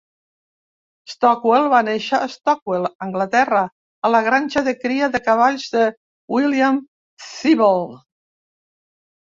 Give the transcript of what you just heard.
Stockwell va néixer a Stockwell, Anglaterra, a la granja de cria de cavalls de William Theobald.